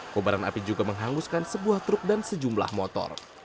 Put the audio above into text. kobaran api juga menghanguskan sebuah truk dan sejumlah motor